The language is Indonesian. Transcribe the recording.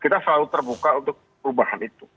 kita selalu terbuka untuk perubahan itu